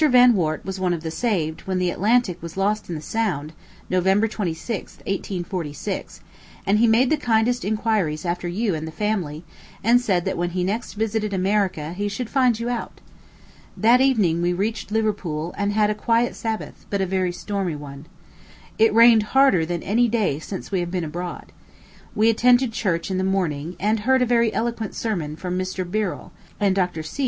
Vanwart was one of the saved, when the Atlantic was lost in the Sound, November 26, 1846; and he made the kindest inquiries after you and the family, and said that when he next visited America he should find you out. That evening we reached Liverpool, and had a quiet Sabbath, but a very stormy one. It rained harder than any day since we have been abroad. We attended church in the morning, and heard a very eloquent sermon from Mr. Birrel, and Dr. C.